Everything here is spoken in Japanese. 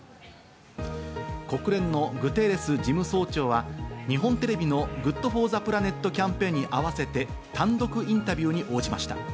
国連のグテーレス事務総長は、日本テレビのＧｏｏｄＦｏｒｔｈｅＰｌａｎｅｔキャンペーンに合わせて、単独インタビューに応じました。